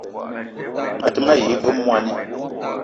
A te ma yi ve mwoani